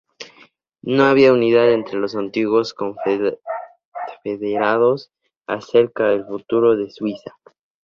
No había unidad entre los antiguos confederados acerca del futuro de Suiza.